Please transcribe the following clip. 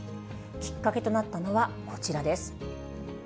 きっかけとなったのはこちらです。